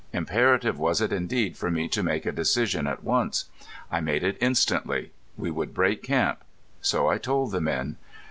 Imperative was it indeed for me to make a decision at once. I made it instantly. We would break camp. So I told the men.